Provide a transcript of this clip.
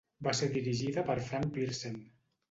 Va ser dirigida per Frank Pierson.